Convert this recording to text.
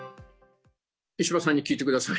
石破さんに聞いてください。